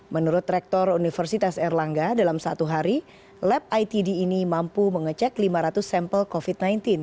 menurut rektor universitas erlangga dalam satu hari lab itd ini mampu mengecek lima ratus sampel covid sembilan belas